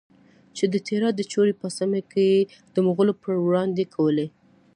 چې د تیرا د چورې په سیمه کې یې د مغولو پروړاندې کولې؛